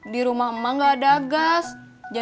tidak ada apa apa